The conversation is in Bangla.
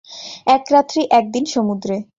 এক রাত্রি এক দিন সমুদ্রে।